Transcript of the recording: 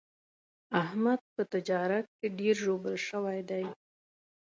احمد په تجارت کې ډېر ژوبل شوی دی.